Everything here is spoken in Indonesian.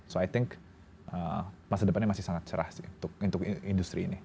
so i think masa depannya masih sangat cerah untuk industri ini